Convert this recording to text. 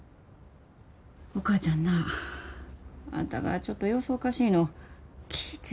お母ちゃんなあんたがちょっと様子おかしいの気ぃ